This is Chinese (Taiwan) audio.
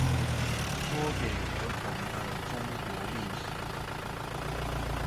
說給兒童的中國歷史